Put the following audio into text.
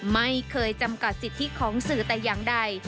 ไม่เคยจำกัดสิทธิของสื่อแต่อย่างใด